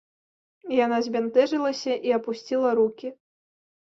Яна збянтэжылася і апусціла рукі.